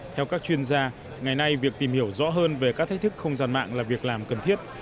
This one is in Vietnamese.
theo các chuyên gia ngày nay việc tìm hiểu rõ hơn về các thách thức không gian mạng là việc làm cần thiết